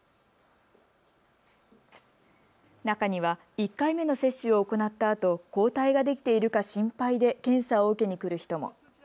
中には１回目の接種を行ったあと抗体ができているか心配で検査を受けに来る人も。